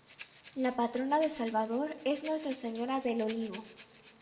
La patrona de Salvador es Nuestra Señora del Olivo.